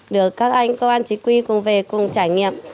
được các anh công an chính quy cùng về cùng trải nghiệm